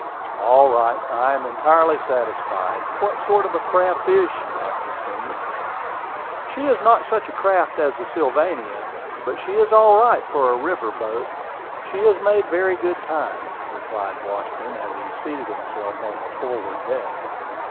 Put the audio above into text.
"All right; I am entirely satisfied. What sort of a craft is she?" I continued. "She is not such a craft as the Sylvania, but she is all right for a river boat. She has made very good time," replied Washburn, as he seated himself on the forward deck.